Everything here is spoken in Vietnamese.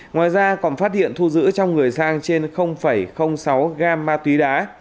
ngoài ra còn phát hiện thu giữ trong người sang trên sáu gam ma túy đá